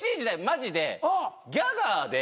マジで？